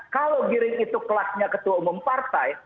kalau giring itu kelasnya ketua umum partai